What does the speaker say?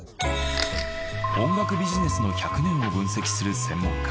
音楽ビジネスの１００年を分析する専門家